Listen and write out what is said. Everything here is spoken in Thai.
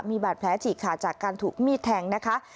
มีบาดแผลฉีกขาดจากการถูกมีดแทงนะคะ